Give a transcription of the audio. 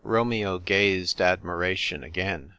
Romeo gazed admiration again.